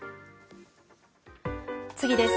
次です。